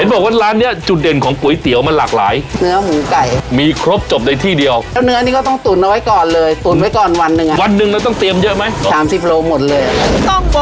งั้นแสดงว่าเราก็ขายก๋วยเตี๋ยวมานานถูกไหมนานคือสี่สิบละ